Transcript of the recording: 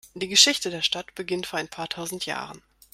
Die Geschichte der Stadt beginnt vor ein paar tausend Jahren.